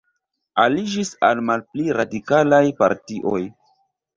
Aliĝis al malpli radikalaj partioj.